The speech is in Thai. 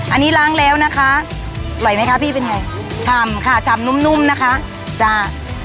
อันนี้ล้างแล้วนะคะอร่อยไหมคะพี่เป็นไงชำค่ะชำนุ่มนุ่มนะคะจ้า